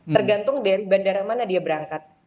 tergantung dari bandara mana dia berangkat